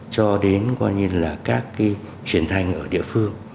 cho đến các truyền thanh ở địa phương